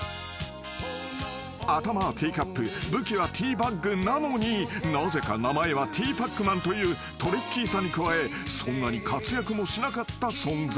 ［頭はティーカップ武器はティーバッグなのになぜか名前はティーパックマンというトリッキーさに加えそんなに活躍もしなかった存在］